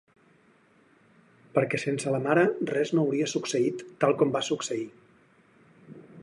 Perquè sense la mare res no hauria succeït tal com va succeir.